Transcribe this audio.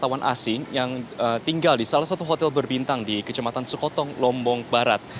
wisatawan asing yang tinggal di salah satu hotel berbintang di kecematan sekotong lombok barat